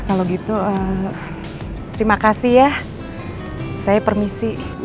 kalau dia itu adalah mamanya rizky